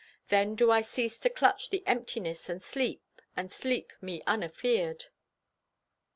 Then do I cease to clutch the emptiness And sleep, and sleep me unafeared!